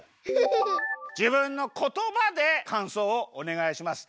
じぶんの言葉でかんそうをおねがいします。